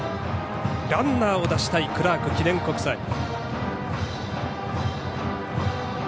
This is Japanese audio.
ランナーを出したいクラーク記念国際。